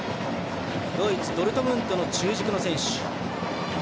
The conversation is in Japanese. ドイツ、ドルトムントの中軸の選手。